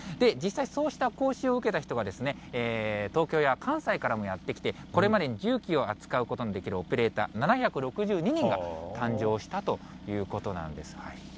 実際、そうした講習を受けた人が、東京や関西からもやって来て、これまでに重機を扱うことのできるオペレーター、７６２人が誕生したということなんです。